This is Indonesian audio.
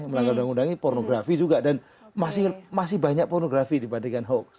melanggar undang undang ini pornografi juga dan masih banyak pornografi dibandingkan hoax